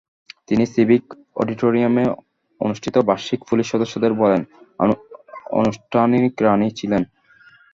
তিনি সিভিক অডিটোরিয়ামে অনুষ্ঠিত বার্ষিক পুলিশ সদস্যদের বলের অনানুষ্ঠানিক "রাণী" ছিলেন।